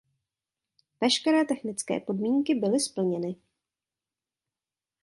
Veškeré technické podmínky byly splněny.